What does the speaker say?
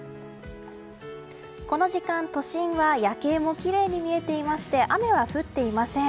この時間、都心は夜景もきれいに見えていまして雨は降っていません。